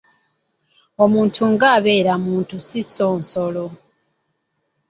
Omuntu nga abeera muntu so ssi nsolo.